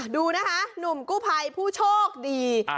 ดูนะคะหนุ่มกู้ภัยผู้โชคดี